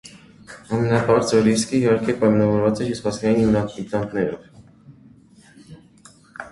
Ամենաբարձր ռիսկը իհարկե պայմանավորված է հյուսվածքային իմպլանտներով։